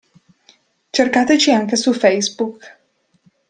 Cercateci anche su Facebook.